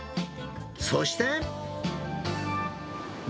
そして。